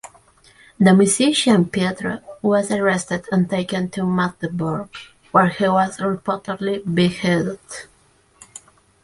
The musician Pietro was arrested and taken to Magdeburg, where he was reportedly beheaded.